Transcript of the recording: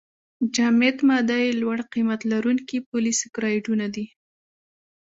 جامد ماده یې لوړ قیمت لرونکي پولې سکرایډونه دي.